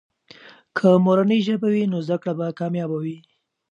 که مورنۍ ژبه وي، نو زده کړه به کامیابه وي.